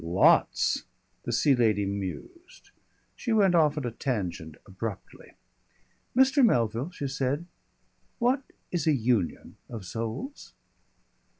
"Lots." The Sea Lady mused. She went off at a tangent abruptly. "Mr. Melville," she said, "what is a union of souls?"